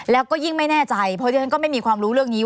แล้วก็ยิ่งไม่แน่ใจเพราะดิฉันก็ไม่มีความรู้เรื่องนี้